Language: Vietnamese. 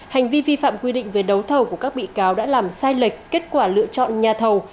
hành vi vi phạm quy định về đấu thầu của các bị cáo đã làm sai lệch kết quả lựa chọn nhà thầu